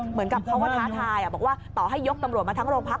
เหมือนกับเขาก็ท้าทายบอกว่าต่อให้ยกตำรวจมาทั้งโรงพัก